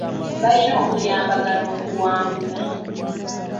Balina okuyambagana okuwangula.